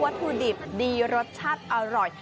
ถุดิบดีรสชาติอร่อย